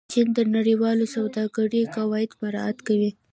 چین د نړیوالې سوداګرۍ قواعد مراعت کوي.